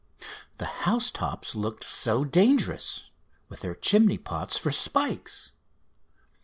The house tops looked so dangerous with their chimney pots for spikes.